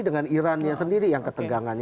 dan iran sendiri yang ketegangan